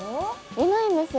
いないんですよ。